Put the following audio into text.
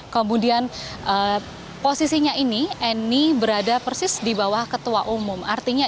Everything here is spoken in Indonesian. kemudian posisinya ini eni berada persis di bawah ketua umum